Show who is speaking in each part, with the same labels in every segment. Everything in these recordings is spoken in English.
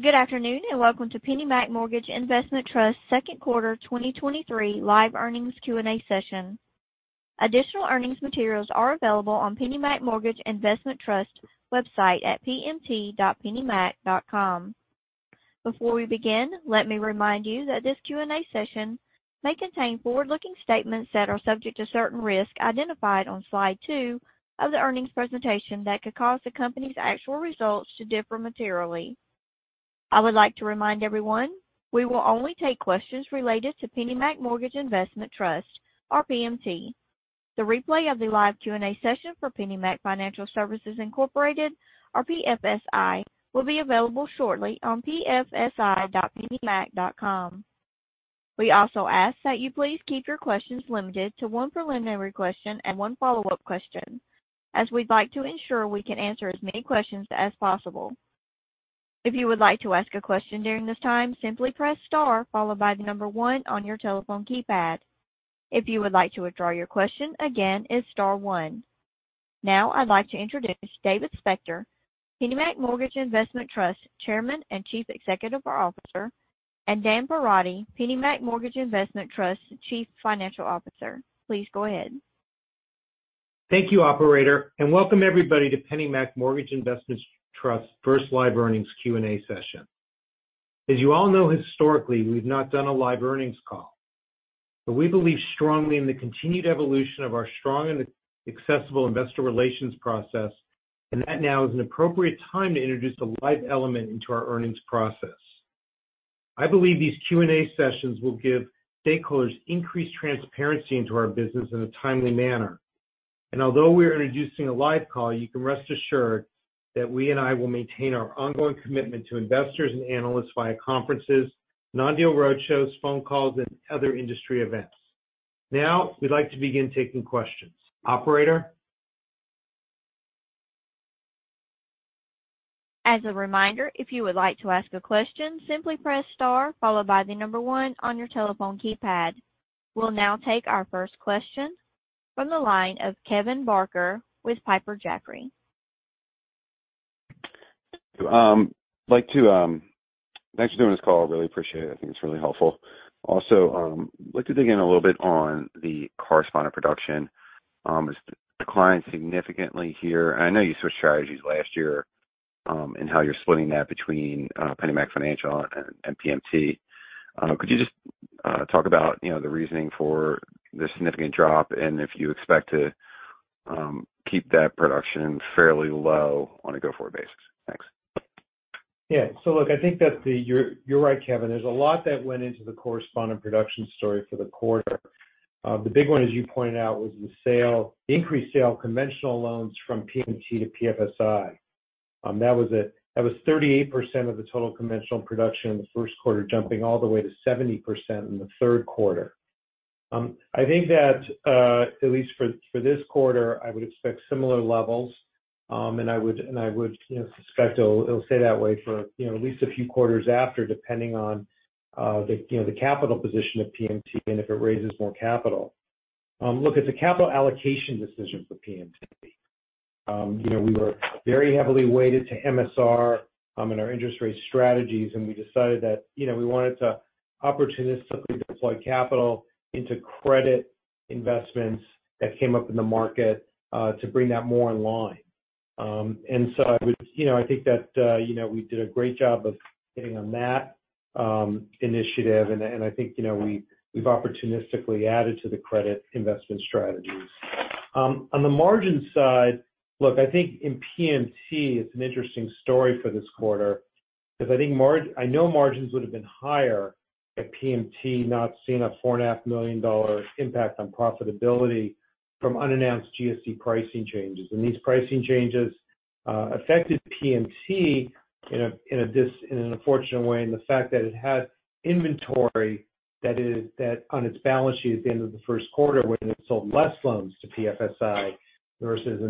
Speaker 1: Good afternoon, and welcome to PennyMac Mortgage Investment Trust Second Quarter 2023 Live Earnings Q&A Session. Additional earnings materials are available on PennyMac Mortgage Investment Trust website at pmt.pennymac.com. Before we begin, let me remind you that this Q&A session may contain forward-looking statements that are subject to certain risks identified on slide two of the earnings presentation that could cause the company's actual results to differ materially. I would like to remind everyone, we will only take questions related to PennyMac Mortgage Investment Trust or PMT. The replay of the live Q&A session for PennyMac Financial Services, Inc., or PFSI, will be available shortly on pfsi.pennymac.com. We also ask that you please keep your questions limited to one preliminary question and one follow-up question, as we'd like to ensure we can answer as many questions as possible. If you would like to ask a question during this time, simply press star followed by one on your telephone keypad. If you would like to withdraw your question again, it's star one. Now, I'd like to introduce David Spector, PennyMac Mortgage Investment Trust, Chairman and Chief Executive Officer, and Dan Perotti, PennyMac Mortgage Investment Trust, Chief Financial Officer. Please go ahead.
Speaker 2: Thank you, operator, and welcome everybody to PennyMac Mortgage Investment Trust first live earnings Q&A session. As you all know, historically, we've not done a live earnings call, but we believe strongly in the continued evolution of our strong and accessible investor relations process, and that now is an appropriate time to introduce the live element into our earnings process. I believe these Q&A sessions will give stakeholders increased transparency into our business in a timely manner. Although we are introducing a live call, you can rest assured that we and I will maintain our ongoing commitment to investors and analysts via conferences, non-deal roadshows, phone calls, and other industry events. Now, we'd like to begin taking questions. Operator?
Speaker 1: As a reminder, if you would like to ask a question, simply press star followed by the one on your telephone keypad. We'll now take our first question from the line of Kevin Barker with Piper Sandler.
Speaker 3: Thanks for doing this call. I really appreciate it. I think it's really helpful. Like to dig in a little bit on the correspondent production, it's declined significantly here. I know you switched strategies last year, how you're splitting that between PennyMac Financial and PMT. Could you just talk about, you know, the reasoning for this significant drop and if you expect to keep that production fairly low on a go-forward basis? Thanks.
Speaker 2: Yeah. So look, I think that you're right, Kevin. There's a lot that went into the correspondent production story for the quarter. The big one, as you pointed out, was the sale, increased sale, conventional loans from PMT to PFSI. That was a 38% of the total conventional production in Q1, jumping all the way to 70% in Q3. I think that, at least for this quarter, I would expect similar levels, and I would, and I would, you know, suspect it'll, it'll stay that way for, you know, at least a few quarters after, depending on, the, you know, the capital position of PMT and if it raises more capital. Look, it's a capital allocation decision for PMT. You know, we were very heavily weighted to MSR in our interest rate strategies, and we decided that, you know, we wanted to opportunistically deploy capital into credit investments that came up in the market to bring that more in line. I would you know, I think that, you know, we did a great job of hitting on that initiative and I think, you know, we've opportunistically added to the credit investment strategies. On the margin side, look, I think in PMT, it's an interesting story for this quarter, because I think I know margins would have been higher if PMT not seen a $4.5 million impact on profitability from unannounced GSE pricing changes. These pricing changes affected PMT in an unfortunate way, and the fact that it had inventory that is, that on its balance sheet at the end of the first quarter, when it sold less loans to PFSI versus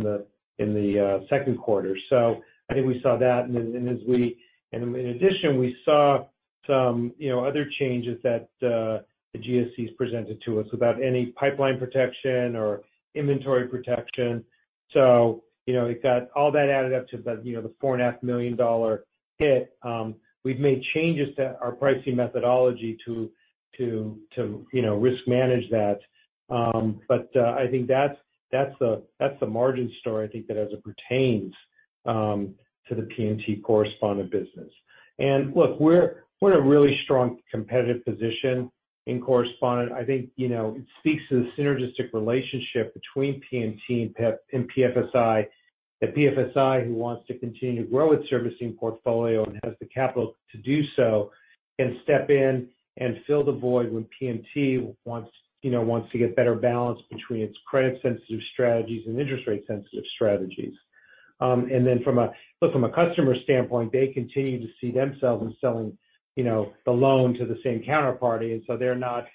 Speaker 2: in the second quarter. I think we saw that, and then, and in addition, we saw some, you know, other changes that the GSEs presented to us without any pipeline protection or inventory protection. You know, it got all that added up to about, you know, the $4.5 million hit. We've made changes to our pricing methodology to, you know, risk manage that. I think that's the, that's the margin story. I think that as it pertains to the PMT correspondent business. Look, we're in a really strong competitive position in correspondent. I think, you know, it speaks to the synergistic relationship between PMT and PEP and PFSI. The PFSI, who wants to continue to grow its servicing portfolio and has the capital to do so, can step in and fill the void when PMT wants, you know, wants to get better balance between its credit sensitive strategies and interest rate sensitive strategies. Look, from a customer standpoint, they continue to see themselves in selling, you know, the loan to the same counterparty, and so they're not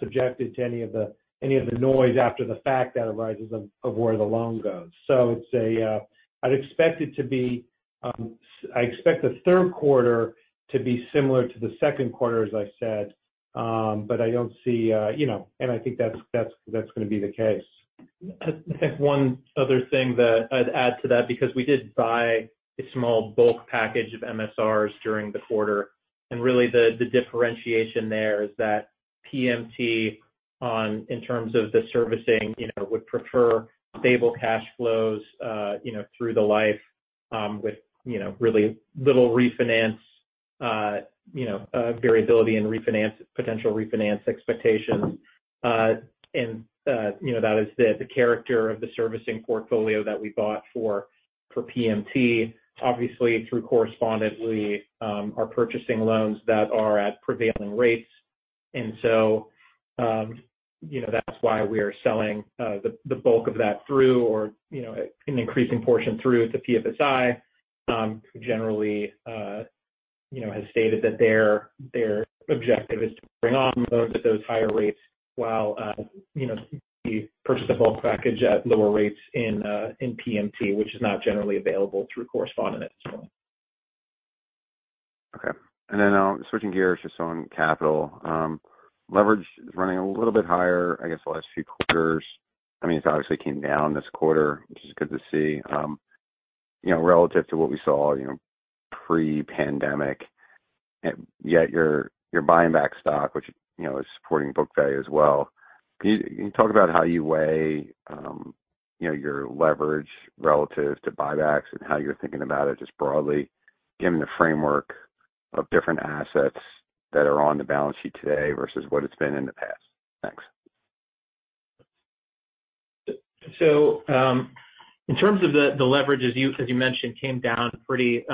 Speaker 2: subjected to any of the noise after the fact that arises of where the loan goes. It's a, I'd expect it to be, I expect the third quarter to be similar to the second quarter, as I said, but I don't see, and I think that's going to be the case.
Speaker 4: I think one other thing that I'd add to that, because we did buy a small bulk package of MSRs during the quarter. Really, the, the differentiation there is that PMT on, in terms of the servicing, you know, would prefer stable cash flows, you know, through the life, with, you know, really little refinance, you know, variability in refinance potential refinance expectations. You know, that is the character of the servicing portfolio that we bought for, for PMT. Obviously, through correspondent, we are purchasing loans that are at prevailing rates. You know, that's why we are selling the bulk of that through or, you know, an increasing portion through to PFSI, who generally, you know, has stated that their, their objective is to bring on loans at those higher rates while, you know, we purchase a bulk package at lower rates in PMT, which is not generally available through correspondent as well.
Speaker 3: Okay. Switching gears just on capital. Leverage is running a little bit higher, I guess, the last few quarters. I mean, it obviously came down this quarter, which is good to see. You know, relative to what we saw, you know, pre-pandemic, and yet you're, you're buying back stock, which, you know, is supporting book value as well. Can you, can you talk about how you weigh, you know, your leverage relative to buybacks and how you're thinking about it just broadly, given the framework of different assets that are on the balance sheet today versus what it's been in the past? Thanks.
Speaker 4: In terms of the leverage, as you, as you mentioned, came down pretty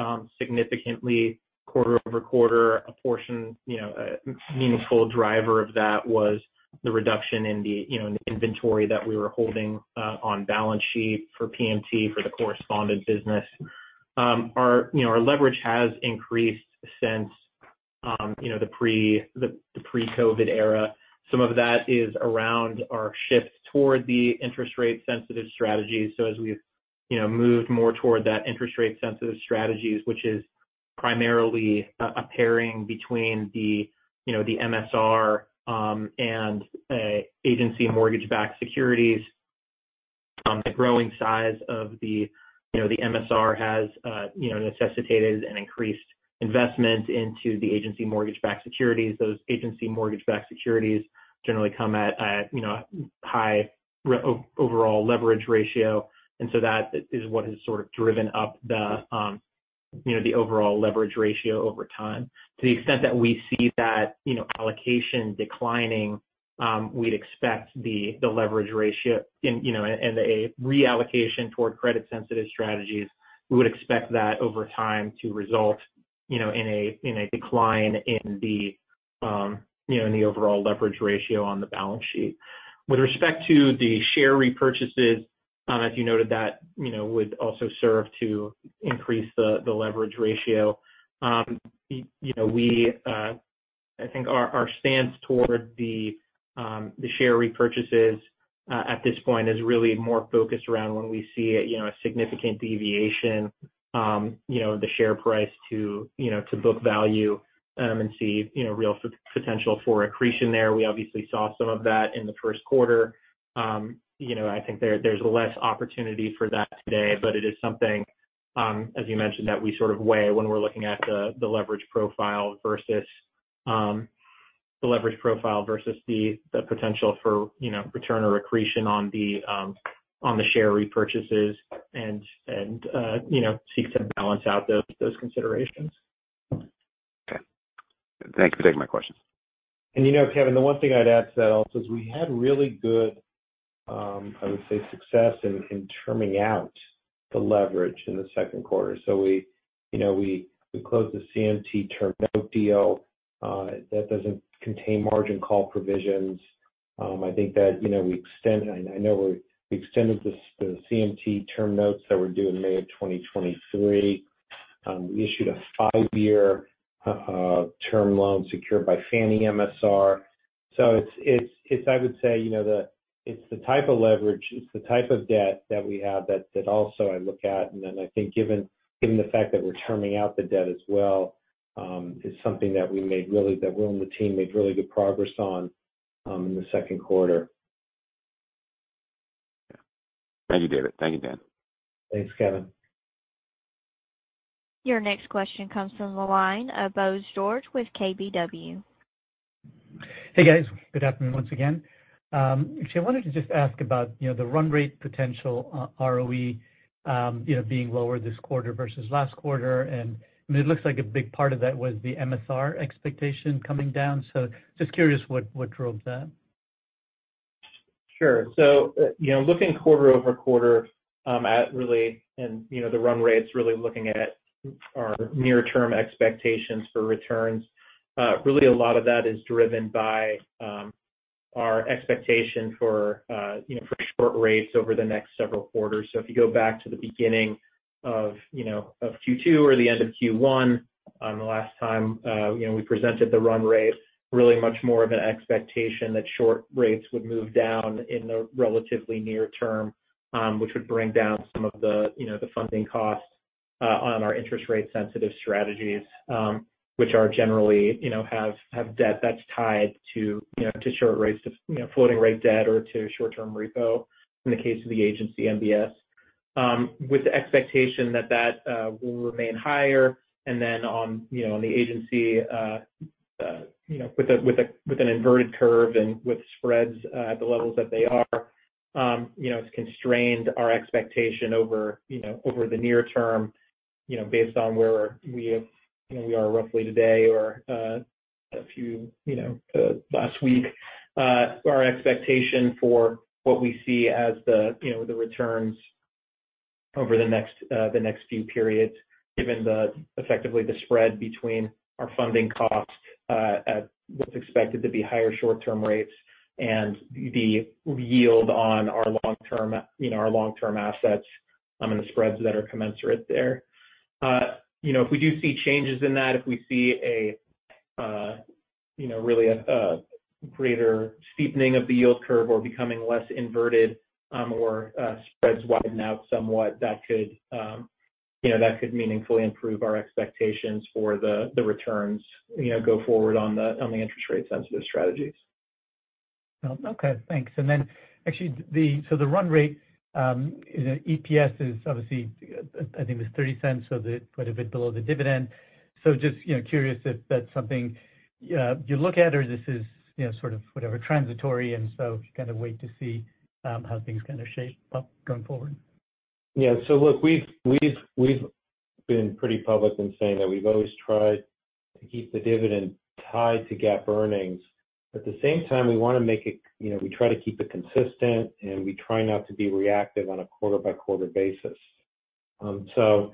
Speaker 4: significantly quarter over quarter. A portion, you know, a meaningful driver of that was the reduction in the, you know, in the inventory that we were holding on balance sheet for PMT, for the correspondent business. Our, you know, our leverage has increased since, you know, the pre- the, the pre-COVID era. Some of that is around our shift toward the interest rate-sensitive strategy. As we've, you know, moved more toward that interest rate-sensitive strategies, which is primarily a, a pairing between the, you know, the MSR, and agency mortgage-backed securities. The growing size of the, you know, the MSR has, you know, necessitated an increased investment into the agency mortgage-backed securities. Those Agency mortgage-backed securities generally come at a, you know, high overall leverage ratio, and so that is what has sort of driven up the, you know, the overall leverage ratio over time. To the extent that we see that, you know, allocation declining, we'd expect the, the leverage ratio in, you know, and a reallocation toward credit-sensitive strategies, we would expect that over time to result, you know in a decline in the, you know, in the overall leverage ratio on the balance sheet. With respect to the share repurchases, as you noted, that, you know, would also serve to increase the leverage ratio. You know, we I think our, our stance toward the, the share repurchases at this point is really more focused around when we see a, you know, a significant deviation, you know, the share price to, you know, to book value, and see, you know, real potential for accretion there. We obviously saw some of that in the first quarter. You know, I think there's less opportunity for that today, but it is something, as you mentioned, that we sort of weigh when we're looking at the, the leverage profile versus, the leverage profile versus the, the potential for, you know, return or accretion on the, on the share repurchases and, and, you know, seek to balance out those, those considerations.
Speaker 3: Okay. Thank you for taking my questions.
Speaker 2: You know, Kevin, the one thing I'd add to that also is we had really good, I would say, success in, in trimming out the leverage in the second quarter. We, you know, we, we closed the CRT term note deal that doesn't contain margin call provisions. I think that, you know, we extended, I know we extended the, the CRT term notes that were due in May of 2023. We issued a five year term loan secured by Fannie MSR. It's I would say, you know, it's the type of leverage, it's the type of debt that we have that, that also I look at, and then I think given, given the fact that we're terming out the debt as well, is something that we made really, that Will and the team made really good progress on, in the second quarter.
Speaker 3: Yeah. Thank you, David. Thank you, Dan.
Speaker 2: Thanks, Kevin.
Speaker 1: Your next question comes from the line of Bose George with KBW.
Speaker 5: Hey, guys. Good afternoon once again. Actually, I wanted to just ask about, you know, the run rate potential ROE, you know, being lower this quarter versus last quarter. I mean, it looks like a big part of that was the MSR expectation coming down. Just curious what, what drove that?
Speaker 4: Sure. You know, looking quarter-over-quarter, at really, and, you know, the run rate is really looking at our near-term expectations for returns. Really a lot of that is driven by, our expectation for, you know, for short rates over the next several quarters. If you go back to the beginning of, you know, of Q2 or the end of Q1, the last time, you know, we presented the run rate, really much more of an expectation that short rates would move down in the relatively near term, which would bring down some of the, you know, the funding costs. on our interest rate-sensitive strategies, which are generally, you know, have, have debt that's tied to, you know, to short rates, to, you know, floating rate debt or to short-term repo, in the case of the Agency MBS. With the expectation that that will remain higher. Then on, you know, on the Agency, you know with an inverted curve and with spreads at the levels that they are, you know, it's constrained our expectation over, you know, over the near term, you know, based on where we are roughly today or a few, you know, last week. Our expectation for what we see as the, you know, the returns over the next, the next few periods, given the effectively the spread between our funding costs, at what's expected to be higher short-term rates and the yield on our long-term, you know, our long-term assets, and the spreads that are commensurate there. You know, if we do see changes in that, if we see a, you know, really a, a greater steepening of the yield curve or becoming less inverted, or, spreads widen out somewhat, that could, you know, that could meaningfully improve our expectations for the, the returns, you know, go forward on the, on the interest rate-sensitive strategies.
Speaker 5: Well, okay, thanks. Then actually, the run rate, you know, EPS is obviously, I think it was $0.30, quite a bit below the dividend. Just, you know, curious if that's something, you look at, or this is, you know, sort of whatever, transitory, and so you kind of wait to see, how things kind of shape up going forward.
Speaker 2: Yeah. Look we've been pretty public in saying that we've always tried to keep the dividend tied to GAAP earnings. At the same time, we wanna make it, you know, we try to keep it consistent, and we try not to be reactive on a quarter-by-quarter basis. You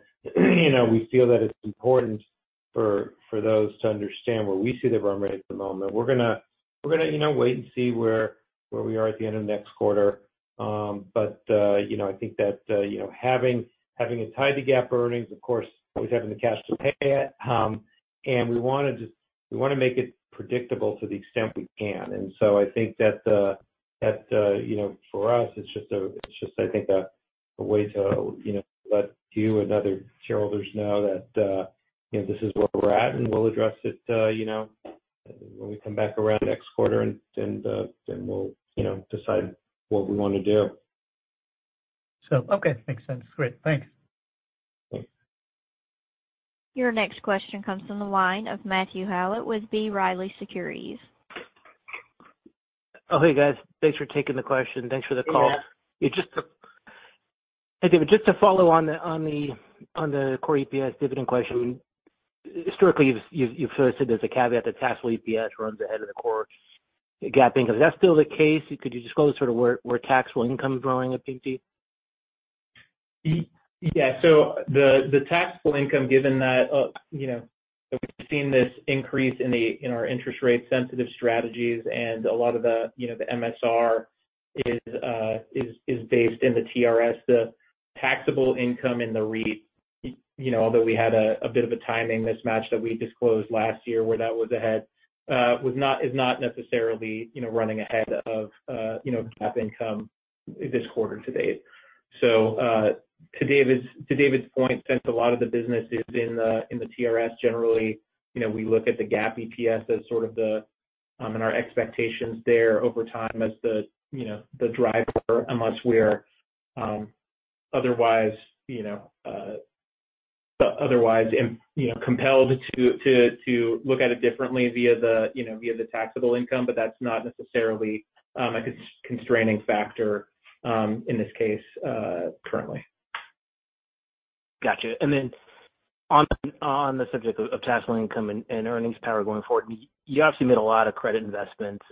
Speaker 2: know, we feel that it's important for, for those to understand where we see the run rate at the moment. We're gonna, we're gonna, you know, wait and see where, where we are at the end of next quarter. You know, I think that, you know, having, having it tied to GAAP earnings, of course, always having the cash to pay it. We wanna just, we wanna make it predictable to the extent we can. I think that, that, you know, for us it's just I think a, a way to, you know, let you and other shareholders know that, you know, this is where we're at, and we'll address it, you know, when we come back around next quarter, and then, then we'll, you know, decide what we wanna do.
Speaker 5: Okay, makes sense. Great. Thanks.
Speaker 2: Thanks.
Speaker 1: Your next question comes from the line of Matthew Howlett with B. Riley Securities.
Speaker 6: Oh, hey, guys. Thanks for taking the question. Thanks for the call.
Speaker 2: Yeah.
Speaker 6: Hey, David, just to follow on the core EPS dividend question. Historically, you've sort of said there's a caveat that taxable EPS runs ahead of the core, the GAAP income. Is that still the case? Could you disclose sort of where taxable income is growing at PMT?
Speaker 4: Yeah. The taxable income, given that, you know, that we've seen this increase in the, in our interest rate-sensitive strategies, and a lot of the, you know, the MSR is, is based in the TRS. The taxable income in the REIT, you know, although we had a, a bit of a timing mismatch that we disclosed last year where that was ahead, was not, is not necessarily, you know, running ahead of, you know, GAAP income this quarter to date. To David's, to David's point, since a lot of the business is in the, in the TRS, generally, you know, we look at the GAAP EPS as sort of the, and our expectations there over time as the, you know, the driver, unless we're, otherwise, you know, otherwise, you know, compelled to look at it differently via the, you know, via the taxable income. But that's not necessarily, a constraining factor, in this case, currently.
Speaker 6: Gotcha. On, on the subject of, of taxable income and, and earnings power going forward, you obviously made a lot of credit investments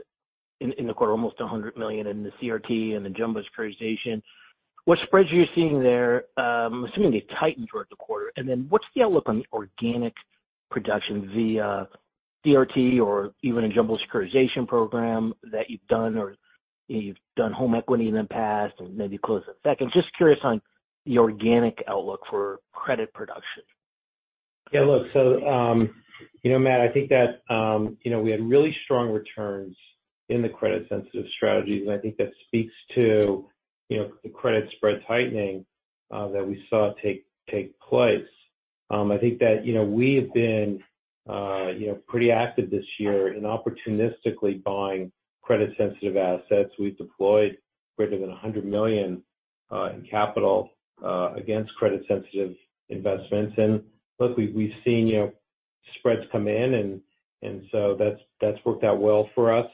Speaker 6: in, in the quarter, almost $100 million in the CRT and the jumbo securitization. What spreads are you seeing there? Assuming they tightened towards the quarter, what's the outlook on the organic production via CRT or even a jumbo securitization program that you've done, or you've done home equity in the past and maybe close to the second? Just curious on the organic outlook for credit production.
Speaker 2: Yeah, look, so, you know, Matt, I think that, you know, we had really strong returns in the credit-sensitive strategies, and I think that speaks to, you know, the credit spread tightening that we saw take, take place. I think that, you know, we have been, you know, pretty active this year in opportunistically buying credit-sensitive assets. We've deployed greater than $100 million in capital against credit-sensitive investments. Look, we've seen, you know, spreads come in, and so that's, that's worked out well for us.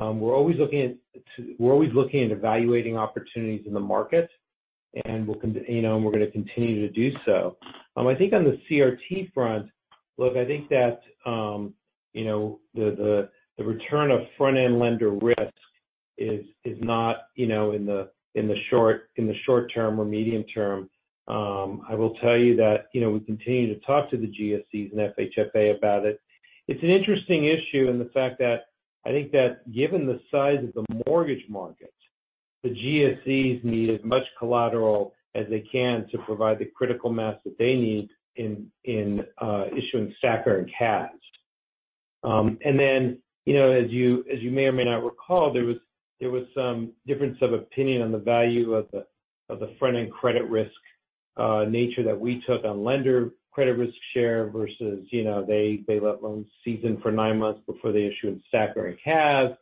Speaker 2: We're always looking at evaluating opportunities in the market, and we'll you know, and we're gonna continue to do so. I think on the CRT front, look, I think that, you know, the, the, the return of front-end lender risk is, is not, you know, in the, in the short, in the short term or medium term. I will tell you that, you know, we continue to talk to the GSEs and FHFA about it. It's an interesting issue in the fact that I think that given the size of the mortgage market, the GSEs need as much collateral as they can to provide the critical mass that they need in, in, issuing STACR and CAS. You know, as you, as you may or may not recall, there was, there was some difference of opinion on the value of the, of the front-end credit risk nature that we took on lender credit risk share versus, you know, they, they let loans season for nine months before they issue in STACR or in CAS.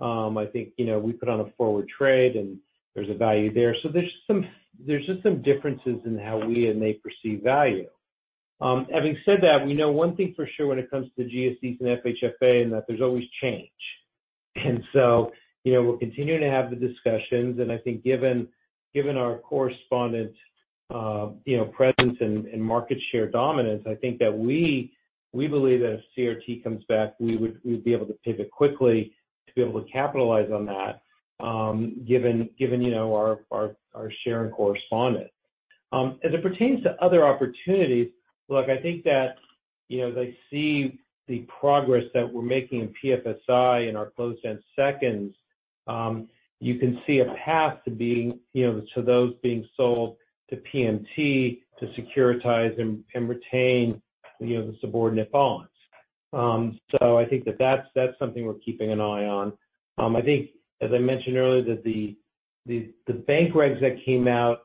Speaker 2: I think, you know, we put on a forward trade, there's a value there. There's just some differences in how we and they perceive value. Having said that, we know one thing for sure when it comes to GSEs and FHFA, and that there's always change. You know, we're continuing to have the discussions, and I think given, given our correspondent, you know, presence and, and market share dominance, I think that we, we believe that if CRT comes back, we'd be able to pivot quickly to be able to capitalize on that, given, given, you know, our, our, our share and correspondent. As it pertains to other opportunities, look, I think that, you know, they see the progress that we're making in PFSI in our closed-end seconds. You can see a path to being, you know, to those being sold to PMT to securitize and, and retain, you know, the subordinate bonds. I think that that's, that's something we're keeping an eye on. I think, as I mentioned earlier, that bank regs that came out,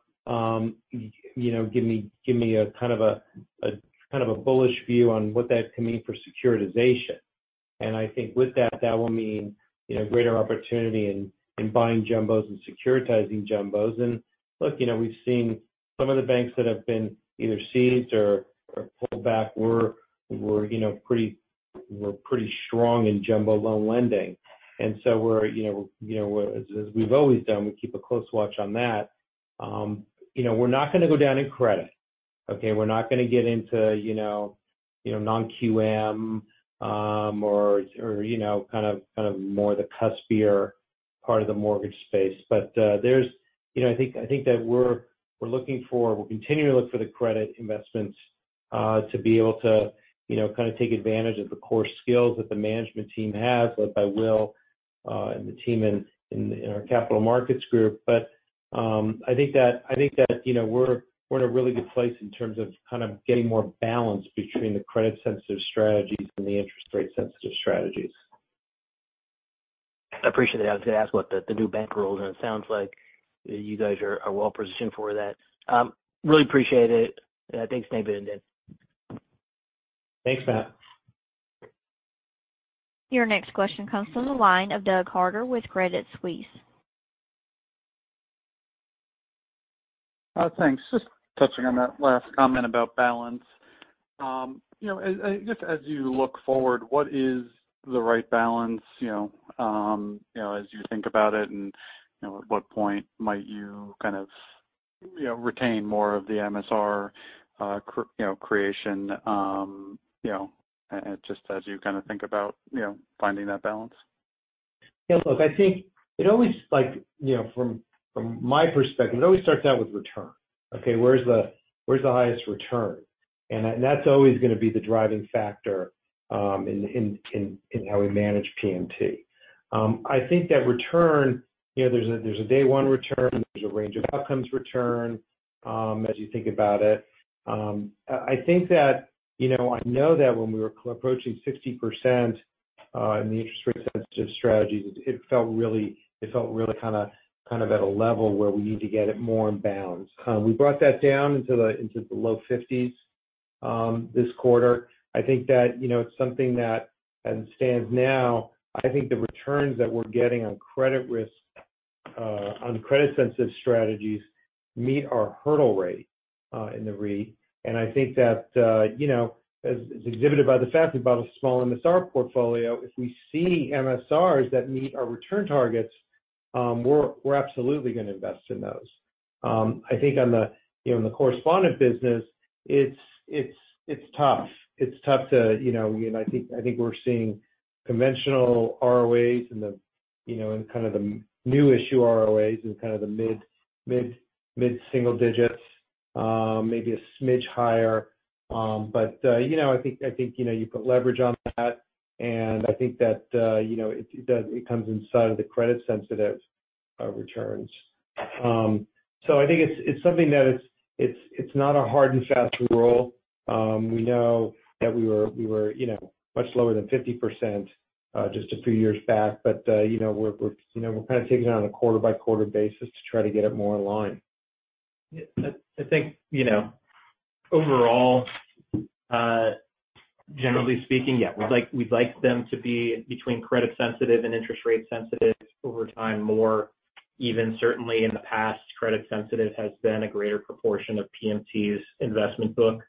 Speaker 2: you know give me a kind of a, a kind of a bullish view on what that could mean for securitization. I think with that will mean, you know, greater opportunity in, in buying jumbos and securitizing jumbos. Look, you know, we've seen some of the banks that have been either seized or, or pulled back were, were, you know, pretty strong in jumbo loan lending. We're you know as we've always done, we keep a close watch on that. You know, we're not gonna go down in credit, okay? We're not gonna get into, you know, you know, non-QM or, you know kind of more the cuspier part of the mortgage space. There's you know I think that we're, we're looking for we're continuing to look for the credit investments, to be able to, you know, kind of take advantage of the core skills that the management team has, led by Will, and the team in our capital markets group. I think that, you know we're in a really good place in terms of kind of getting more balance between the credit-sensitive strategies and the interest rate-sensitive strategies.
Speaker 6: I appreciate that. I was going to ask about the, the new bank rules. It sounds like you guys are, are well positioned for that. Really appreciate it. Thanks, David and Dan.
Speaker 2: Thanks, Matt.
Speaker 1: Your next question comes from the line of Doug Harter with Credit Suisse.
Speaker 7: Thanks. Just touching on that last comment about balance. You know, and just as you look forward, what is the right balance, you know, as you think about it, and, you know, at what point might you kind of, you know, retain more of the MSR, you know, creation, you know, just as you kind of think about, you know, finding that balance?
Speaker 2: Yeah, look, I think it always like, you know, from, from my perspective, it always starts out with return. Okay, where's the, where's the highest return? That's always gonna be the driving factor in how we manage PMT. I think that return, you know, there's a, there's a day one return, there's a range of outcomes return, as you think about it. I think that, you know, I know that when we were approaching 60% in the interest rate-sensitive strategies, it felt really kind of, kind of at a level where we need to get it more in bounds. We brought that down into the, into the low 50s this quarter. I think that, you know, it's something that, as it stands now, I think the returns that we're getting on credit risk, on credit-sensitive strategies, meet our hurdle rate, in the REIT. I think that, you know, as, as exhibited by the fact we bought a small MSR portfolio, if we see MSRs that meet our return targets, we're, we're absolutely gonna invest in those. I think on the, you know, on the correspondent business, it's tough. It's tough to, you know. I think, I think we're seeing conventional ROEs and the, you know, and kind of the new issue ROEs in kind of the mid-single digits, maybe a smidge higher. I think, you put leverage on that, and I think that, it comes inside of the credit-sensitive returns. I think it's, it's something that it's not a hard and fast rule. We know that we were much lower than 50% just a few years back. We're kind of taking it on a quarter-by-quarter basis to try to get it more in line.
Speaker 4: Yeah. I think, you know, overall, generally speaking, yeah, we'd like, we'd like them to be between credit sensitive and interest rate sensitive over time, more even. Certainly, in the past, credit sensitive has been a greater proportion of PMT's investment book.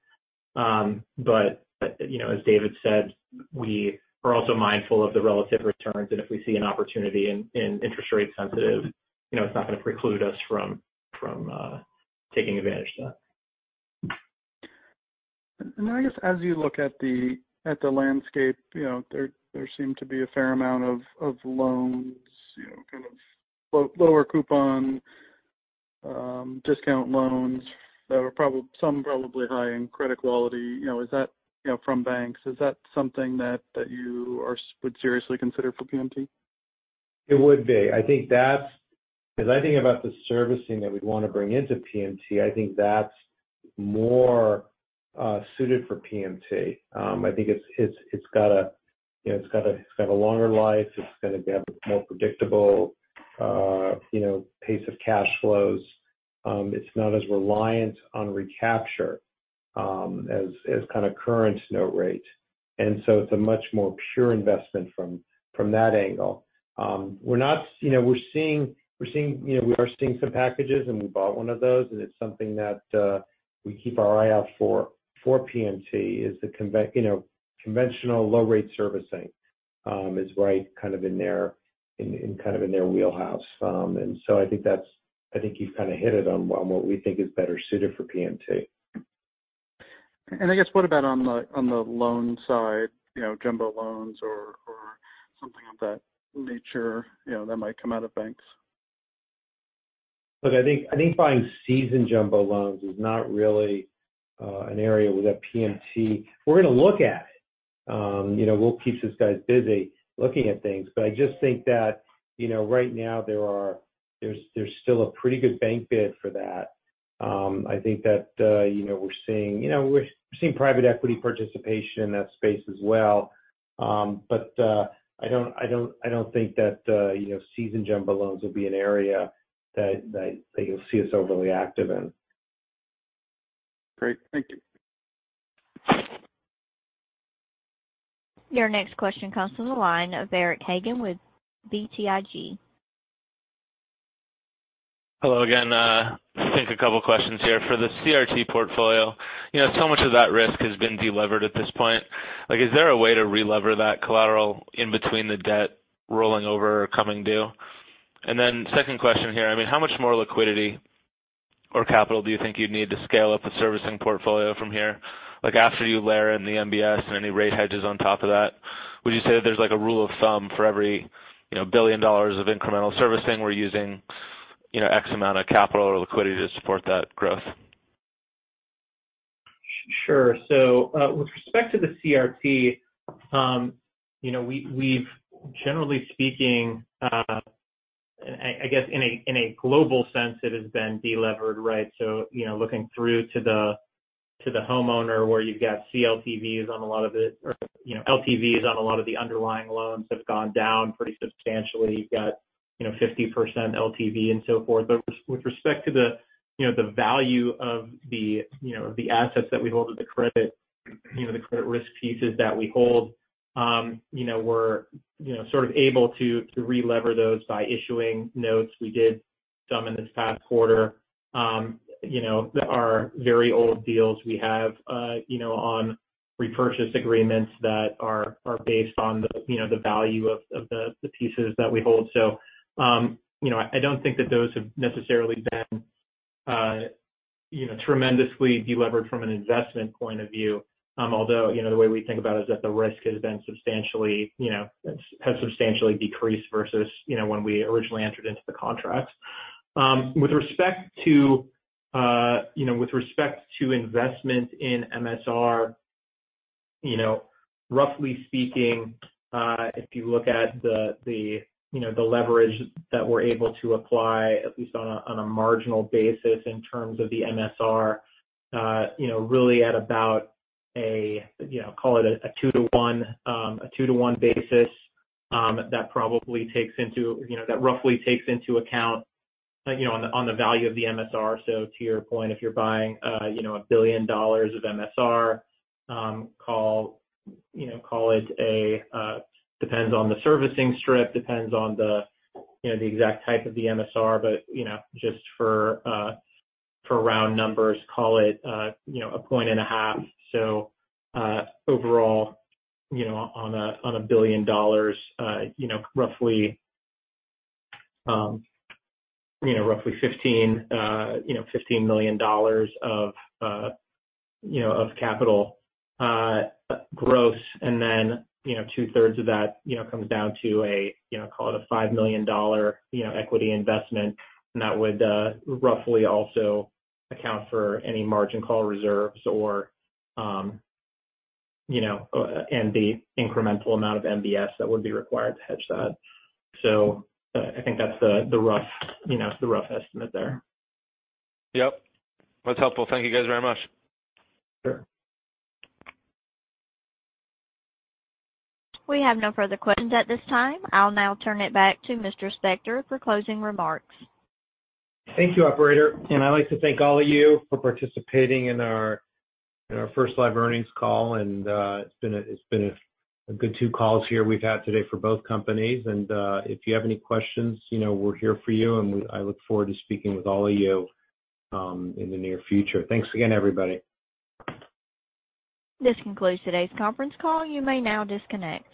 Speaker 4: You know, as David said, we are also mindful of the relative returns, and if we see an opportunity in, in interest rate sensitive, you know, it's not going to preclude us from, from taking advantage of that.
Speaker 7: I guess as you look at the, at the landscape, you know, there, there seem to be a fair amount of, of loans, you know, kind of lower coupon, discount loans that are some probably high in credit quality, you know, is that, you know, from banks. Is that something that, that you would seriously consider for PMT?
Speaker 2: It would be. I think that's as I think about the servicing that we'd want to bring into PMT, I think that's more suited for PMT. I think it's, it's, it's got a, you know, it's got a, it's got a longer life. It's gonna be a more predictable, you know, pace of cash flows. It's not as reliant on recapture, as, as kind of current note rate. So it's a much more pure investment from, from that angle. We're not, you know, we're seeing, we're seeing, you know, we are seeing some packages, and we bought one of those, and it's something that we keep our eye out for, for PMT, is the you know, conventional low rate servicing, is right kind of in their, kind of in their wheelhouse. I think you've kind of hit it on, on what we think is better suited for PMT.
Speaker 7: I guess what about on the, on the loan side, you know, jumbo loans or, or something of that nature, you know, that might come out of banks?
Speaker 2: Look, I think, I think buying seasoned jumbo loans is not really an area where that PMT... We're gonna look at it. You know, we'll keep those guys busy looking at things, but I just think that, you know, right now there's, there's still a pretty good bank bid for that. I think that, you know, we're seeing, you know, we're, we're seeing private equity participation in that space as well. I don't, I don't, I don't think that, you know, seasoned jumbo loans will be an area that, that, that you'll see us overly active in.
Speaker 7: Great. Thank you.
Speaker 1: Your next question comes from the line of Eric Hagen with BTIG.
Speaker 8: Hello again. I think a couple questions here. For the CRT portfolio, you know, so much of that risk has been delevered at this point. Like, is there a way to relever that collateral in between the debt rolling over or coming due? Second question here, I mean, how much more liquidity or capital do you think you'd need to scale up a servicing portfolio from here? Like, after you layer in the MBS and any rate hedges on top of that, would you say that there's, like, a rule of thumb for every, you know, $1 billion of incremental servicing, we're using, you know, X amount of capital or liquidity to support that growth?
Speaker 4: Sure. With respect to the CRT, you know, we've, we've generally speaking, I, I guess, in a, in a global sense, it has been delevered, right? You know, looking through to the, to the homeowner, where you've got CLTVs on a lot of it, or, you know, LTVs on a lot of the underlying loans have gone down pretty substantially. You've got, you know, 50% LTV and so forth. With, with respect to the, you know, the value of the, you know, the assets that we hold at the credit, you know, the credit risk pieces that we hold, you know, we're, you know, sort of able to, to relever those by issuing notes. We did some in this past quarter. You know, there are very old deals we have, you know, on repurchase agreements that are, are based on the, you know, the value of, of the, the pieces that we hold. You know, I don't think that those have necessarily been, you know, tremendously delevered from an investment point of view. Although, you know, the way we think about it is that the risk has been substantially, you know, has substantially decreased versus, you know, when we originally entered into the contract. With respect to, you know, with respect to investment in MSR, you know, roughly speaking, if you look at the, the, you know, the leverage that we're able to apply at least on a, on a marginal basis in terms of the MSR, you know, really at about a, you know, call it a two to one, a two to one basis, that probably takes into, you know, that roughly takes into account, like, you know, on the, on the value of the MSR. To your point, if you're buying, you know, $1 billion of MSR, call, you know, call it a, depends on the servicing strip, depends on the, you know, the exact type of the MSR, but, you know, just for, for round numbers, call it, you know, 1.5 points. Overall, you know, on a, on a $1 billion, you know, roughly, you know, roughly 15, you know, $15 million of, you know, of capital, gross. 2/3 of that, you know, comes down to a, you know, call it a $5 million, you know, equity investment. That would roughly also account for any margin call reserves or, you know, and the incremental amount of MBS that would be required to hedge that. I think that's the, the rough, you know, the rough estimate there.
Speaker 8: Yep, that's helpful. Thank you, guys, very much.
Speaker 4: Sure.
Speaker 1: We have no further questions at this time. I'll now turn it back to Mr. Spector for closing remarks.
Speaker 2: Thank you, operator. I'd like to thank all of you for participating in our, in our first live earnings call, and, it's been a, it's been a, a good two calls here we've had today for both companies. If you have any questions, you know, we're here for you, and I look forward to speaking with all of you in the near future. Thanks again, everybody.
Speaker 1: This concludes today's conference call. You may now disconnect.